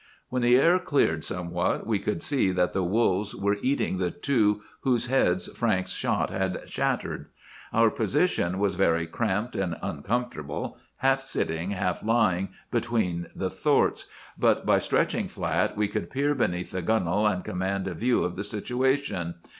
"When the air cleared somewhat we could see that the wolves were eating the two whose heads Frank's shot had shattered. Our position was very cramped and uncomfortable, half sitting, half lying, between the thwarts; but by stretching flat we could peer beneath the gunwale, and command a view of the situation.